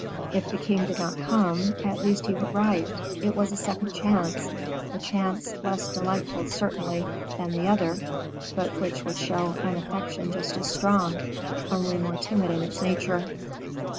_ If the king did not come, at least he would write; it was a second chance; a chance less delightful certainly than the other, but which would show an affection just as strong, only more timid in its nature.